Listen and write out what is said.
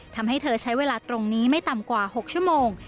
ทำให้เธอใช้เวลาตรงนี้ไม่ต่ำกว่า๖ชั่วโมง